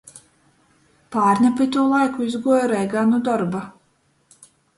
Pārņ ap itū laiku izguoju Reigā nu dorba.